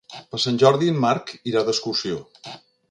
Per Sant Jordi en Marc irà d'excursió.